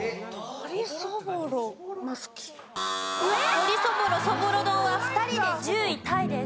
鶏そぼろそぼろ丼は２人で１０位タイです。